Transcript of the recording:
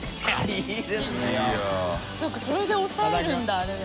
そうかそれで押さえるんだあれで。